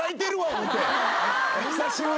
久しぶり。